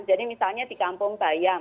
jadi misalnya di kampung bayam